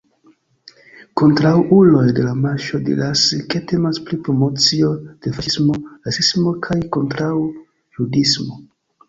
Kontraŭuloj de la Marŝo diras, ke temas pri promocio de faŝismo, rasismo kaj kontraŭjudismo.